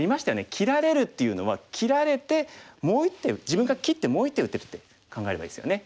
切られるっていうのは切られてもう１手自分が切ってもう１手打てるって考えればいいですよね。